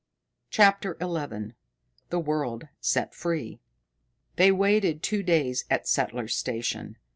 CHAPTER XI The World Set Free They waited two days at Settler's Station.